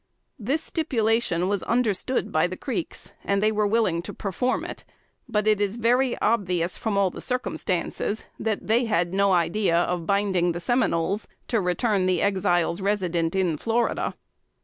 This stipulation was understood by the Creeks, and they were willing to perform it; but it is very obvious, from all the circumstances, that they had no idea of binding the Seminoles to return the Exiles resident in Florida.